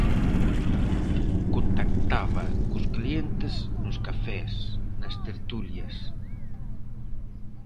Contactaba cos clientes nos cafés, nas tertulias...